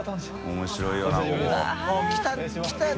面白いよなここ。